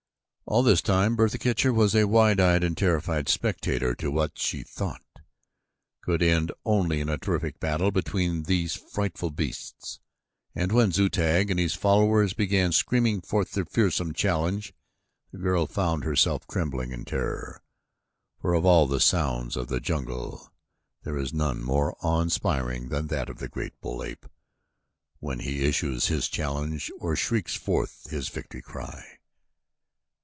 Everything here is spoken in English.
All this time Bertha Kircher was a wide eyed and terrified spectator to what, as she thought, could end only in a terrific battle between these frightful beasts, and when Zu tag and his followers began screaming forth their fearsome challenge, the girl found herself trembling in terror, for of all the sounds of the jungle there is none more awe inspiring than that of the great bull ape when he issues his challenge or shrieks forth his victory cry.